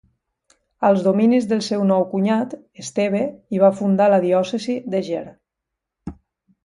Als dominis del seu nou cunyat, Esteve hi va fundar la diòcesi d'Eger.